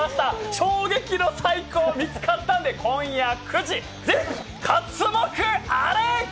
衝撃の最高が見つかったんで、今夜９時ぜひ刮目あれ！